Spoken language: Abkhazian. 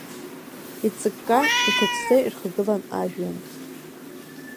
Иҵыкка, иҭацәӡа ирхагылан ажәҩан.